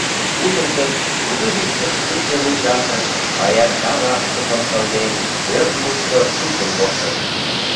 Кучылтыт, кужу вичкыж шӱртӧ мучашыш паярка лапчыкым кылден, пӧрт мучко шупшын коштыт.